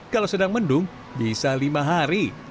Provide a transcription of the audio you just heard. kalau sedang mendung bisa lima hari